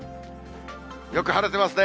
よく晴れてますね。